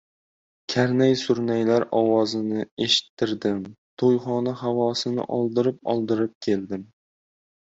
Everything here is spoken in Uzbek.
Karnay-surnaylar ovozini eshittirdim, to‘yxona havosini oldirib-oldirib keldim.